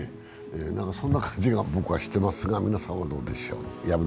何かそんな感じが僕はしてますが、皆さんはどうでしょう？